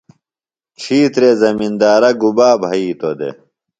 ڇھیترےۡ زمندارہ گُبا بھیتوۡ دےۡ؟